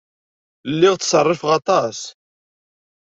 Lliɣ ttṣerrifeɣ aṭas.